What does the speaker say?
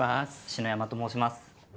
篠山と申します。